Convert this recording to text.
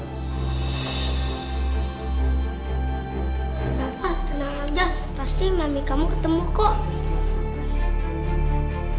kenapa tenang saja pasti mami kamu ketemu kok